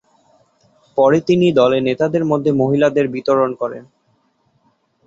পরে তিনি দলের নেতাদের মধ্যে মহিলাদের বিতরণ করেন।